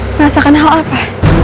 merasakan hal apa